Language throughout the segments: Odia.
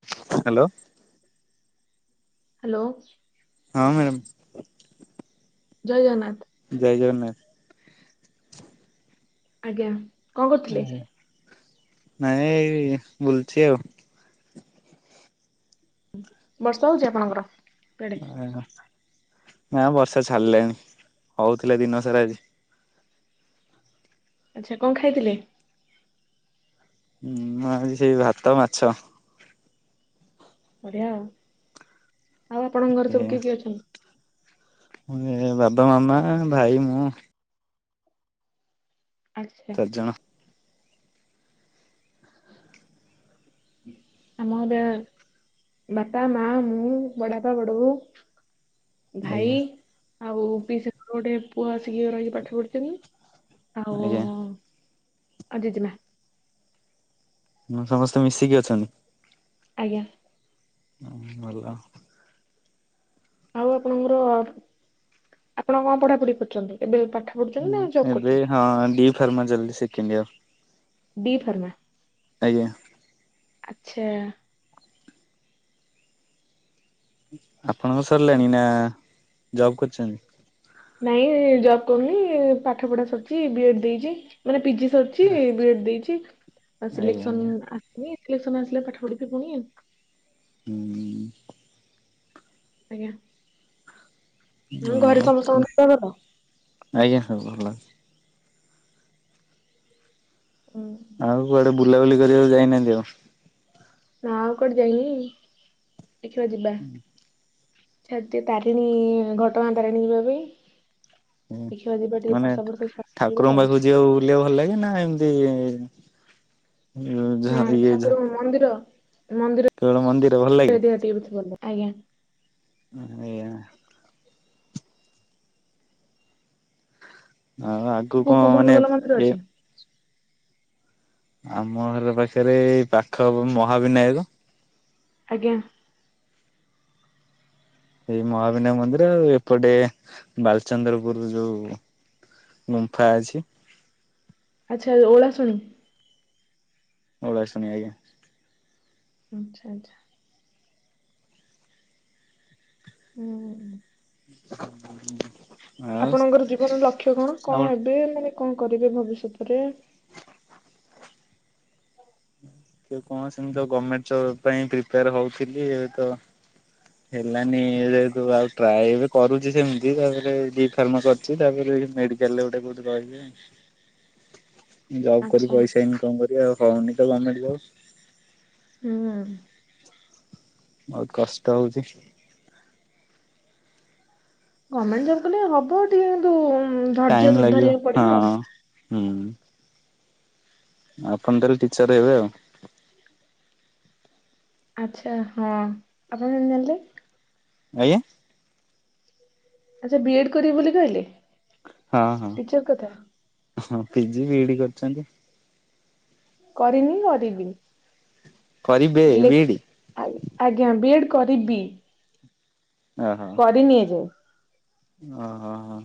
ହ୍ୟାଲୋ। ହ୍ୟାଲୋ। ହଁ ମ୍ୟାଡ଼ମ୍। ଜୟ ଜଗନ୍ନାଥ। ଜୟ ଜଗନ୍ନାଥ। ଆଜ୍ଞା। କଣ ଆ କରୁଥିଲେ ନାଇଁ ଏଇ ବୁଲୁଛି ଆଉ। ବର୍ଷା ହଉଛି ଆପଣଙ୍କର? କୁଆଡେ ଆ ନା ବର୍ଷା ଛାଡିଲେଣିି ହଉଥିଲା ଦିନ ସାରା ଆଜି। ଆଚ୍ଛା କଣ ଖାଇଥିଲେ? ହୁଁ ମୁ ଆଜି ସେଇ ଭାତ, ମାଛ। ବଢିଆ ଆଉ ଆଉ ଆପଣଙ୍କ ଘରେ ସବୁ କିଏ କିଏ ଅଛନ୍ତି? ମାନେ ବାବା, ମାମା, ଭାଇ, ମୁଁ। ଆଚ୍ଛା। ଚାରିଜଣ ଆମ ଘରେ ବାପା, ମା, ମୁଁ ବଡାପା, ବଡ ବଉ। ଆଜ୍ଞା ଭାଇ ଆଉ ପିସି ର ଗୋଟେ ପୁଅ ଆସିକି ରହିକି ପାଠ ପଢିଛନ୍ତି। ଆଜ୍ଞା। ଆଉ ଜେଜେ ମା। ହୁଁ ସମସ୍ତେ ମିଶିକି ଅଛନ୍ତି। ଆଜ୍ଞା। ଭଲ। ଆଉ ଆପଣଙ୍କର ଆପଣ କଣ ପଢାପଢି କରୁଛନ୍ତି ଏବେ ପାଠ? ପଢୁଛନ୍ତି ମୁଁ ନା ଜବ୍ ଏବେ କରୁଛନ୍ତି? ହଁ ଡି ଫାର୍ମ ଚାଲିଛି ସେକେଣ୍ଡ ଇୟର। ଡି ଫର୍ମା ଆଜ୍ଞା। ଆଚ୍ଛା। ଆପଣଙ୍କ ସରିଲାଣି ନା ଜବ୍ କରିଛନ୍ତି? ନାଇଁ ଜବ୍ କରୁନି ପାଠ ପଢା ସରିଛି ବି ଏଡ୍ ଦେଇଛି ମାନେ ପିଜି ସ ବିଏଡି ଦେଇଛି ଆଜ୍ଞା ଆଜ୍ଞା ସିଲେକ୍ସନ ଆସିନି ସିଲେକ୍ସନ ଆସିଲେ ପାଠ ପଢିବି ପୁଣି। ହୁଁ ହୁଁ ଆଜ୍ଞା ଉଁ ଘରେ ହଁ ସମସ୍ତଙ୍କ [unintelligible] ଆଜ୍ଞା ସବୁ ଭଲଛି। ହୁଁ ଆଉ କୁଆଡେ ବୁଲାବୁଲି କରିବାକୁ ଯାଇନାହାନ୍ତି ଆଉ ନା ଆଉ କୁଆଡେ ଯାଇନି ଦେଖିବା ଯିବା। [unintelligible] ତାରିଣୀ ଘଟଗାଁ ତାରିଣୀ ଯିବା ପାଇଁ ହୁଁ ଦେଖିବା ଯିବା ଟିକେ ମାନେ ବର୍ଷା ଫର୍ଷା ଛାଡୁ ଯିବା ଠାକୁରଙ୍କ ଆଉ ପାଖକୁ ଯିବାକୁ ବୁଲିବାକୁ ଭଲ ଲାଗେ ନା ଏମିତି ନା ଝର ଇଏ ଝ ଠାକୁର ମନ୍ଦିର ମନ୍ଦିର ମନ୍ଦିର ଭଲ ଲାଗେ ଏରିଆ ଟିକେ ଭଲ ଆଜ୍ଞା। ଆଜ୍ଞା। ଆଉ ଆଗକୁ କୋଉ କଣ କୋଉ ଭଲ ମାନେ ଭଲ ମନ୍ଦିର ଏ ଅଛି ଆମ ଘରେ ପାଖରେ ଏଇ ପାଖକୁ ମହାବିନାୟକ। ଆଜ୍ଞା ଏଇ ମହାବିନାୟ ମନ୍ଦିର ଆଉ ଏପଟେ ବାଲଚନ୍ଦ୍ରପୁର ଯୋଉ ଗୁମ୍ଫା ଅଛି ଆଚ୍ଛା ଓଳା ଶୁଣି ଉଳା ଶୁଣି ଆଜ୍ଞା ଆଚ୍ଛା ଆଚ୍ଛା ହୁଁଁ [inaudible] ଆପଣଙ୍କର ଜୀବନର ଲକ୍ଷ୍ୟ କଣ ଆଉ କଣ ହେବେ ମାନେ କଣ କରିବେ ଭବିଷ୍ୟତରେ ସେ କଣ ସେମିତ ଗଭର୍ଣ୍ଣମେଣ୍ଟ ଜବ ପାଇଁ ପ୍ରିପେୟାର ହଉଥିଲି ଏ ତ ହେଲାନି ଯେ ତୁ ଆଉ ଟ୍ରାଏ ବି କରୁଛି ସେମିତି ତାପରେ ଡି ଫାରମା କରି ତାପରେ ମେଡିକାଲରେ ଗୋଟେ କୋଉଠି ରହିବ ଜବ୍ କରି ଆଚ୍ଛା। ପଇସା ଇନକମ୍ କରି ଆଉ ହଉନି ତ ଗଭର୍ଣ୍ଣମେଣ୍ଟ ଜବ୍ ହୁଁ ବହୁତ କଷ୍ଟ ହଉଛି। ଗଭର୍ଣ୍ଣମେଣ୍ଟ ଜବ କଲେ ହବ ଟିକେ କିନ୍ତୁ ଟାଇମ୍ ଧୈର୍ଯ୍ୟ ଲାଗିବ ଧରିବାକୁ ପଡିବ ଆଉ। ହଁ ହୁଁ ଆପଣ ତାହେଲେ ଟିଚର ହେବେ ଆଉ ଆଚ୍ଛା ହଁ ଆପଣ କେମିତି ଜାଣିଲେ। ଆଜ୍ଞା ଆଚ୍ଛା ବି ଏଡ୍ କରିବି ବୋଲି କହିଲେ ହଁ ହଁ ଟିଚର କଥା ହ ପିଜି ବି ଡି କରିଛନ୍ତି କରିନି କରିବିି କରିବେ ଲେଖ ବିଇଡି ଆ ଆଜ୍ଞା ବି ଏଡ଼୍ କରିବି କରିନି ଏ ଯାଇ ଓ -ହୋ- ହୋ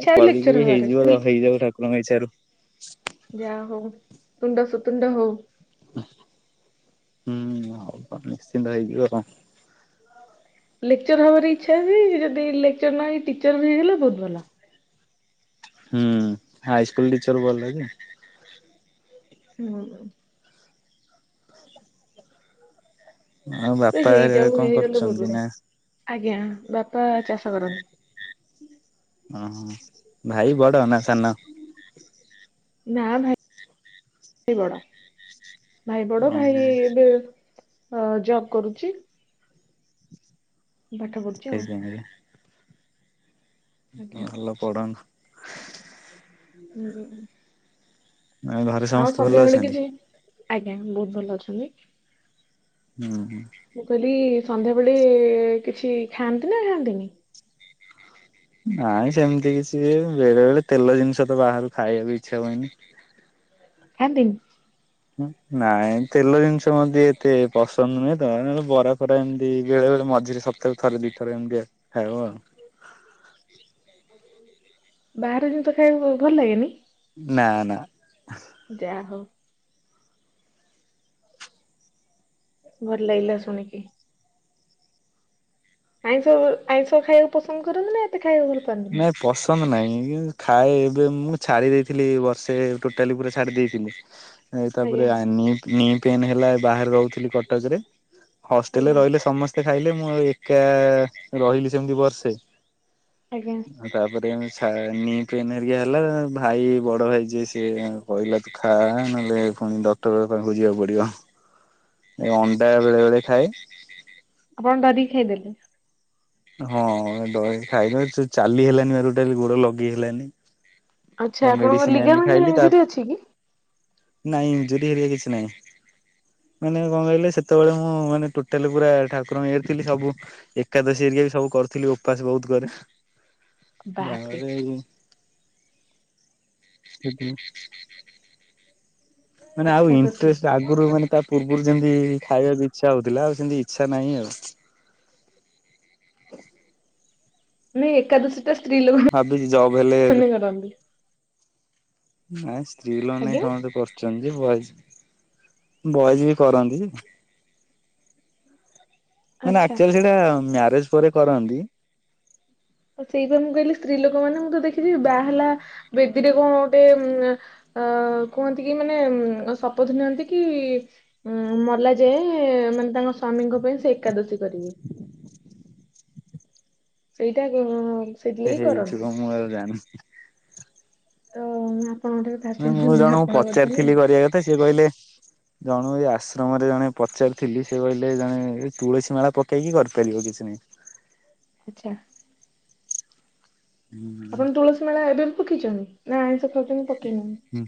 ଆଉ ଅଛି କହିକି ଲେକ୍ଚର ବି ହବାରେ ହେଇଯିବ ହେଇଯିବ ଠାକୁରଙ୍କ ଇଛାରୁ ଯାହା ହଉ ତୁଣ୍ଡ ସୁତୁଣ୍ଡ ହଉ ହୁଁ ହ ନିଶ୍ଚିନ୍ତ ହେଇଯିବ କଣ ଲେକ୍ଚର ହବାର ଇଚ୍ଛା ଅଛି ଯଦି ଲେକ୍ଚର ନ ହେଇ ଟିଚର ବି ହେଇଗଲେ ବହୁତ ଭଲ ହୁଁ- ହଁ ହାଇ ସ୍କୁଲ ଟିଚର ଭଲ ର ହ। ହୁଁ। ଆଉ ସେ ବାପା ହେରିକା ହେଇଯାଉ ହେଇ କଣ ହେଇଗଲେ ବହୁତ କରୁଛନ୍ତି ନା ବଢିଆ ଆଜ୍ଞା। ବାପା ଚାଷ କରନ୍ତି। ଓହୋ ଭାଇ ବଡ ନା ସାନ ନା ଭାଇ ବଡ ଭାଇ ବଡ ଓହୋ ଭାଇ ଏବେ ଅ ଜବ କରୁଛି ପାଠ ପଢୁଛି ଆଉ ସେଇଥିପାଇଁ ଭଲ ପଢ ହଁ। ଘରେ ଆଉ ସମସ୍ତେ ଭଲ ସନ୍ଧ୍ୟା ବେଳେ ଅଛନ୍ତି? କିଛି ଆଜ୍ଞା ବହୁତ ଭଲ ଅଛନ୍ତି। ହୁଁ ମୁଁ କହିଲି ସନ୍ଧ୍ୟାବେଳେ କିଛି ଖାଆନ୍ତି ନା ଖାଆନ୍ତିନି। ନାଇଁ ସେମିତି କିଛିଏ ବେଳେ ବେଳେ ତେଲ ଜିନିଷ ତ ବାହାରୁ ଖାଇବାକୁ ଇଚ୍ଛା ହୁଏନି। ଖାନ୍ତିନି। ନାଇଁ ତେଲ ଜିନିଷ ମଧ୍ୟ ଏତେ ପସନ୍ଦ ନୁହେଁ ତ ବରା ଫରା ଏମିତି ବେଳେ ବେଳେ ମଝିରେ ସ ତଥାବି ଥରେ ଦିଇ ଥରେ ଏମିତି ହେଉ ଆଉ ବାହାର ଜିନିଷ ଖାଇବା କୁ ଭଲ ଲାଗେନି ନା- ନା ଯା ହଉ, ଭଲ ଲାଗିଲା ଶୁଣିକି ଆଇଁଷ ଆଇଁଷ ଖାଇବାକୁ ପସନ୍ଦ କରନ୍ତି ନା ଏତେ ଖାଇବାକୁ ଭଲ ପାଆନ୍ତିନି। ନାଇଁ ପସନ୍ଦ ନାହିଁ ଖାଏ ଏବେ ମୁଁ ଛାଡ଼ି ଦେଇଥିଲି ବର୍ଷେ ଟୋଟାଲି ପୁରା ଛାଡ଼ି ଦେଇଥିଲି। ଏ ଆଜ୍ଞା ତାପରେ ନି ନି -ପେନ୍ ହେଲା ବାହାରେ ରହୁଥିଲି କଟକରେ ହଷ୍ଟେଲରେ ଆଜ୍ଞା ରହିଲେ ସମସ୍ତେ ଖାଇଲେ ମୁଁ ଏକା ରହିଲି ସେମିତି ବର୍ଷେ ଆଜ୍ଞା। ଆ ତାପରେ ସା ନି -ପେନ୍ ହେରିକା ହେଲା ଭାଇ ବଡ ଭାଇ ଯିଏ ସିଏ କହିଲ ତ ଖା ନହେଲେ ପୁଣି ଡକ୍ଟର ପାଖକୁ ଖୋଜିବାକୁ ପଡିବ। ଏ ଅଣ୍ଡା ବେଳେ ବେଳେ ଖାଏ। ଆପଣ ଡରି କିଖାଇଦେଲେ ହଁ ଦହି ଖାଇବା ସେ ଚାଲି ହେଲନି ପା ଟୋଟାଳି ଗୋଡ ଲଗେଇ ହେଲାନି। ଆଚ୍ଛା ଆପଣଙ୍କର ମେଡିସିନ ଆଣି ଲିଗାମେଣ୍ଟ ଖାଇଲି ତା ଇଞ୍ଜୁରି ଅଛି କି? ନାଇଁଜରି କିଛି ନାଇଁ ମାନେ କଣ କହିଲେ ସେତେବେଳେ ହିଁ ମୁଁ ମାନେ ଟୋଟାଲି ପୁରା ଠାକୁରଙ୍କ ଏରି ଥିଲି ସବୁ ଏକାଦଶୀ ଏରିକା ବି ସବୁ କରିୁଥିଲି ଉପାସ ବହୁତ କରେ। ବାପରେ ବାହାରେ ସେଦିନ। ମାନେ ଆଉ ଏକାଦଶୀ ଇଣ୍ଟଷ୍ଟ ଆଗରୁ ମାନେ ତା ପୂର୍ବରୁ ଯେମିତି ଖାଇବାକୁ ଇଚ୍ଛା ହଉଥିଲା ଆଉ ସେମତି ଇଚ୍ଛା ନାହିଁ ଆଉ ନାଇଁ ଏକାଦଶୀଟା ସ୍ତ୍ରୀ ଲୋକ ଭାବିଛି ଜବ୍ ହେଲେ କରନ୍ତି। ନାଇଁ ସ୍ତ୍ରୀ ଲ ନାଇଁ ଆଜ୍ଞା। ସମସ୍ତେ କର ଚନ୍ତି ବଏଜ ବଏଜ ବି କରନ୍ତି ଯେ, ନା -ନା ଆଚ୍ଛା। ଆକ୍ଚୁଆଲି ସେଇଟା ମ୍ୟାରେଜ ପରେ କରନ୍ତି। ସେଇପାଇଁ ମୁଁ କହିଲି ସ୍ତ୍ରୀ ଲୋକ ମାନଙ୍କୁ ତ ଦେଖିଛି ବାହଲା ବେଦୀରେ କଣ ଗୋଟେ ଉ ଅ କୁହନ୍ତି କି ମାନେ ଶପଥ ନିଅନ୍ତି କି ଉଁ ମଲା ଯାଏ ମାନେ ତାଙ୍କ ସ୍ଵାମୀଙ୍କ ପାଇଁ ସେ ଏକାଦଶୀ କରିବି। ସେଇଟା ଉ ସେଇଥିଲାଗୀ ହିଁ ହେଇଥିବ କରନ୍ତୁ ମୁଁ ଆଉ ଜାଣିନି ଓ ଆପଣଙ୍କ ଟିକେ ନା ମୁଁ ଜଣଙ୍କୁ ପଚାରିଥିଲି କରିବା କଥା ସେଏ କହିଲେ ଜଣୁ ଏଇ ଆଶ୍ରମରେ ଜଣେ ପଚାରୁଥିଲି ସେ କହିଲେ ଜଣେ ତୁଳସୀ ମାଳ ପକେଇକି କରିଥିଲେ କାଲି ଆଉ କିଛି ନାହିଁ ଆଚ୍ଛା ଆପଣ ନାହିଁ। ତୁଳସୀ ମେଳା ଏବେ ବି ପକେଇଛନ୍ତି ନା ଆଇଁଷ ଖାଉଛନ୍ତି ପକେଇନାହିଁ ହଁ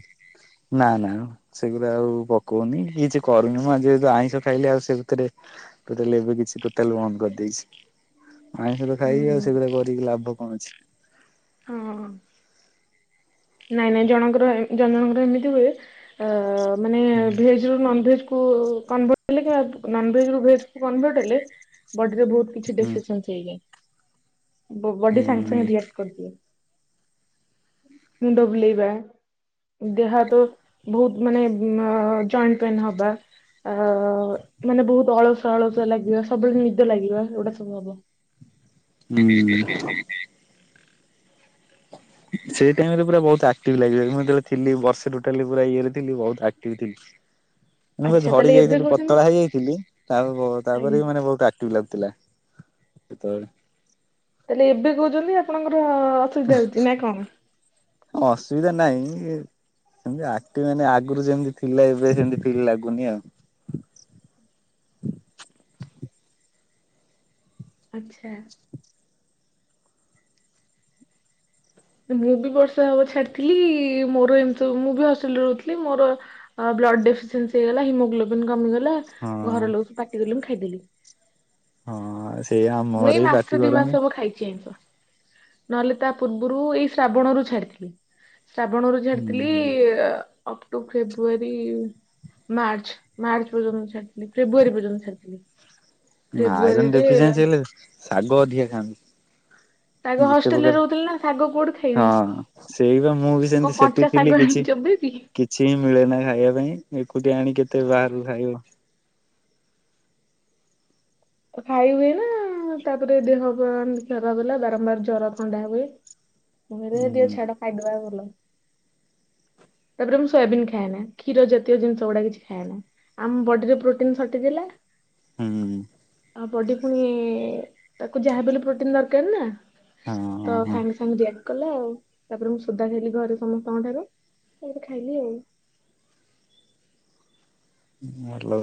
ନା ନାଇମ ସେଗୁଡ଼ା ଆଉ ପକଉନି କିଛି କରୁନି ମୁଁ ଯେହେତୁ ଆଇଁଷ ଖାଇଲି ଆଉ ସେ ଭିତରେ ଟୋଟାଲ ଏବେ କିଛି ଟୋଟାଲ ବନ୍ଦ କରିଦେଇଛି ଆଇଁଷ ତ ଖାଇବି ହୁଁ ଆଉ ସେଗୁଡା କରିକି ଲାଭ କଣ ଅଛି ହଁ ନାଇଁ ନାଇଁ ଜଣଙ୍କର ଜଣ ଜଣଙ୍କର ଏମିତି ହୁଏ ଅ ମାନେ ହୁଁ ଭ ହେ [unintelligible] ବଡିରେ ବହୁତ କିଛି ଡ [unintelligible] ଚେଞ୍ଜ ହେଇଯାଏ ବ ବଡି ସାଙ୍ଗେ ସାଙ୍ଗେ ହୁଁ ରିଆକ୍ଟ କରିଦିଏ ମୁଣ୍ଡ ବୁଲେଇବା ଦେହ ହାତେ ବହୁତ ମାନେ ଜଏଣ୍ଟ ଉ -ପେନ୍ ହବା ଅ ମାନେ ବହୁତ ଅଳସ ଅଳସ ଲାଗିବ ସବୁବେଳେ ନିଦ ଲାଗିବା ଏଗୁଡ଼ା ସବୁ ହବ। [unintelligible] ସେଇ ଟାଇମରେ ପୁରା ବହୁତ ଆକ୍ଟିଭ ଲାଗିବ ମୁଁ ଯେତେବେଳେ ଥିଲି ବର୍ଷେ ଟୋଟାଲି ପୁରା ଇଏରେ ଥିଲି ବହୁତ ଆକ୍ଟିଭ ଥିଲି। [unintelligible] ଆଚ୍ଛା ଝଡି ତାହେଲେ ଏବେ ଯାଇଥିଲି ପତଳା କହୁଛନ୍ତି ହେଇଯାଇଥିଲି ତା ପ ତାପରେ ଆଜ୍ଞା ବି ମାନେ ବହୁତ ଆ କ୍ଟିଭ ଲାଗୁଥିଲା ସେତେବେଳେ। ତାହେଲେ ଏବେ କହୁଛନ୍ତି ଆପଣଙ୍କର ଅସୁବିଧା ହଉଛି ନା କଣ? ଅସୁବିଧା ନାହିଁ ଏ ସେମତି ଆକ୍ଟିଭ୍ ମାନେ ଆଗରୁ ଯେମିତି ଥିଲା ଏବେ ସେମିତି ଫିଲ୍ ଲାଗୁନି ଆଉ। ଆଚ୍ଛା। ମୁଁ ବି ବର୍ଷା ହବ ଛାଡିଥିଲି ମୋର ଏମିତି ସବୁ ମୁଁ ବି ହଷ୍ଟେଲରେ ରହୁଥିଲି ମୋର ବ୍ଲଡ ଡେଫିସିଏନ୍ସି ହେଇଗଲା ହିମୋଗ୍ଲୋବନ୍ କମିଗଲା ହଁ। ଘର ଲୋକ ସବୁ ପାଟିକଲେ ମୁଁ ଖାଇଦେଲି। ହଁ। ସେଇ ଆମ ମୁଁ ଏଇ ଘରେ ବି ପାଟି ମାସ ଦି କରନ୍ତି। ମାସ ହବ ଖାଇଛି ଆଇଁଷ। ନହଲେ ତା ପୂର୍ବରୁ ଏଇ ଶ୍ରାବଣରୁ ଛାଡ଼ିଥିଲି। ଶ୍ରାବଣରୁୁ ହୁଁ ଛାଡିଥିଲି ହୁଁ। ଅଫ୍ ଟୁ ଫେବୃଆରୀ ମାର୍ଚ୍ଚ ମାର୍ଚ୍ଚ ପର୍ଯ୍ୟନ୍ତ ଛାଡିଥିଲି ଫେବୃୟାରୀ ପର୍ଯ୍ୟନ୍ତ ଛାଡିଥିଲି। ନା ଆଇରନ୍ ଫେବୃଆରୀରେ ଡେଫିସିଏନ୍ସି ହେଲେ ଶାଗ ଅଧିକା ଖାଆନ୍ତି। ଶାଗ ଯେତେ ହଷ୍ଟେଲରେ ପ୍ରକାର ରହୁଥିଲି ନା ଶାଗ କୋଉଠି ଖାଇବି ହଁ ସେଇବା ମୁଁ ବି ସେମିତି କଣ ସେଠି କଞ୍ଚା ଥିଲି ଶାଗ ଆଣିି କିଛି ଚୋବେଇବି। [unintelligible] କିଛି ହିଁ ମିଳେ ନା ଖାଇବା ପାଇଁ ଏକୁଟିଆ ଆଣି କେତେ ବାହାରକୁ ଖାଇବ। ଖାଇ ହୁଏ ନା ତାପରେ ଦେହ ଖରାପ ହେଲା ବାରମ୍ବାର ଜର ଥଣ୍ଡା ହୁଏ। ହ ମୁ କହିଲି ଦିଅ ଛାଡ ଖାଇଦବା ଭଲ। ତାପରେ ମୁଁ ସୋୟାବିନ୍ ଖାଏନା। କ୍ଷୀର ଜାତୀୟ ଜିନିଷ ଗୁଡା କିଛି ଖାଏନା। ଆଉ ମୋ ବଡିରେ ପ୍ରୋଟିନ ସଟେଜ୍ ହେଲା। ହୁଁ। ଆଉ ବଡି ପୁଣି ତାକୁ ଯାହାବି ହେଲେ ପ୍ରୋଟିନ ଦରକାର ନା। ହଁ। ତ ହଁ ସାଙ୍ଗେ ସାଙ୍ଗେ ଦିଆକ କଲା ଆଉ। ତାପରେ ମୁଁ ସୋଦା ଖାଇଲି ଘରେ ସମସ୍ତଙ୍କ ଠାରୁ। ଏମିତି ଖାଇଲି ଆଉ। ଭଲ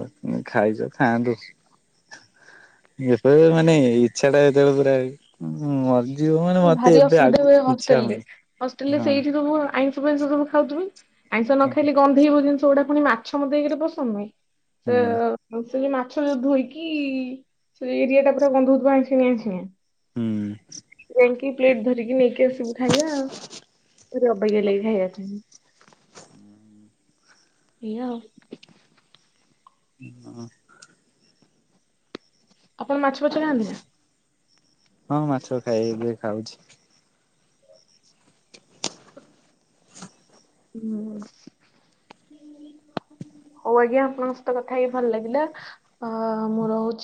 ଖାଇଛ ଖାଆନ୍ତୁ। ଏବେ ମାନେ ଇଛାଟା ଯେତେବେଳେ ପୁରା ଉଁ ମ୍ ଭାରି ଅସୁବିଧା ହୁଏ ହଷ୍ଟେଲରେ। ହଷ୍ଟେଲରେ ହଁ ସେଇଠି ସବୁ ଆଇଁଷ ଫାଇଁଷ ସବୁ ଖାଉଥିବେ ଆଇଁଷ ନ ହଁ ଖାଇଲେ ଗନ୍ଧେଇବ ଜିନିଷ ଗୁଡା ପୁଣି ମାଛ ମତେ ଏକ ରେ ପସନ୍ଦ ନୁହେଁ। ହଁ ସେ ସେ ଯୋଉ ମାଛ ଯୋଉ ଧୋଇକି ସେ ଏରିଆ ଟା ପୁରା ଗନ୍ଧଉଥିବ ଆଇଁସିଣିଆ ଆଇଁସିଣିଆ। ହୁଁ। ଇଙ୍କି ପ୍ଲେଟ୍ ଧରିକି ନେଇକି ଆସିବୁ ଖାଇବା। ଭାରି ଅବାଗିଆ ଲାଗେ ଖାଇବା ପାଇଁ। ଏଇଆ ଆଉ। ହଁ। ଆପଣ ମାଛ ଫାଛ ଖାଆନ୍ତି ନା? ହଁ ମାଛ ଖାଏ ଏବେ ଖାଉଛି। ହୁଁ। ହଉ ଆଜ୍ଞା ଆପଣଙ୍କ ସହିତ କଥା ହେଇକି ଭଲ ଲାଗିଲା। ଅ ମୁଁ ରହୁଛି।